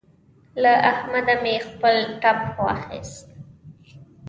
له احمده مې خپل ټپ واخيست.